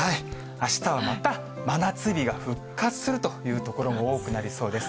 あしたはまた、真夏日が復活するという所も多くなりそうです。